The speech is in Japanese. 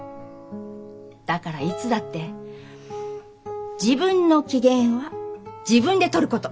だからいつだって自分の機嫌は自分でとること。